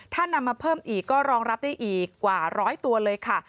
ถ้านำมาเพิ่มอีกก็รองรับได้อีกกว่าร้อยตัวเลยค่ะ